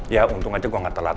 ya untung aja gue gak telat